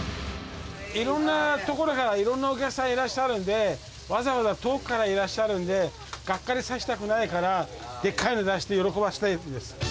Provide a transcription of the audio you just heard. いろんな所からいろんなお客さんいらっしゃるんで、わざわざ遠くからいらっしゃるんで、がっかりさせたくないから、でっかいの出して喜ばせたいんです。